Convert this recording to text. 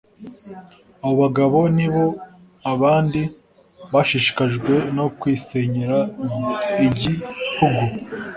abo bagabo nib a bandi bashishikajwe no kwisenyera ighugu